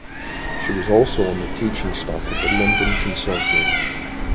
She was also on the teaching staff of the London Consortium.